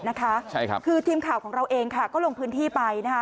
นะคะใช่ครับคือทีมข่าวของเราเองค่ะก็ลงพื้นที่ไปนะคะ